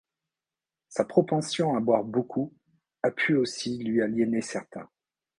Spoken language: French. Sa propension à boire beaucoup a pu aussi lui aliéner certains.